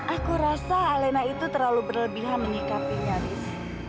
aku rasa alena itu terlalu berlebihan menikahkan yaris